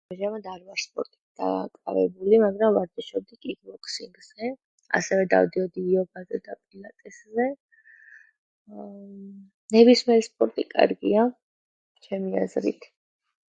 ამჟამად არ ვარ სპორტით დაკავებული, მაგრამ ვარჯიშობდი კიმბოქსინგზე, ასევე დავდიოდი იოგაზე და პილატესზე, ნებისმიერი სპორტი კარგია ჩემი აზრით.